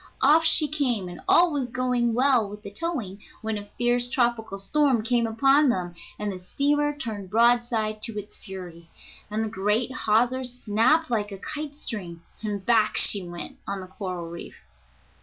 Off she came, and all was going well with the towing when a fierce tropical storm came upon them, and the steamer turned broadside to its fury, and the great hawser snapped like a kite string, and back she went on a coral reef.